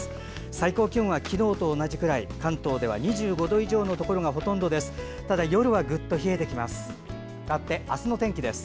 最高気温は昨日と同じくらい関東では２５度以上のところがほとんどです。